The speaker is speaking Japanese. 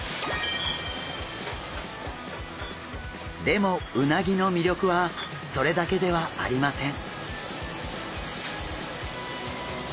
でもうなぎの魅力はそれだけではありません。